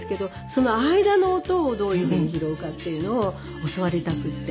その間の音をどういうふうに拾うかっていうのを教わりたくて。